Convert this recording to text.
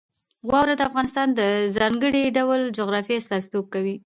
واوره د افغانستان د ځانګړي ډول جغرافیې استازیتوب کوي.